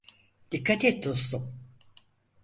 Dikkat et dostum.